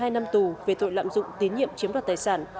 một mươi hai năm tù về tội lạm dụng tín nhiệm chiếm đoạt tài sản